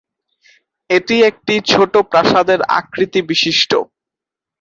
এটি একটি ছোটো প্রাসাদের আকৃতিবিশিষ্ট।